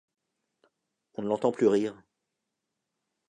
On ne l’entend plus rire.